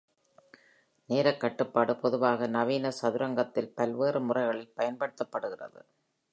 நேரக் கட்டுப்பாடு பொதுவாக நவீன சதுரங்கத்தில் பல்வேறு முறைகளில் பயன்படுத்தப்படுகிறது.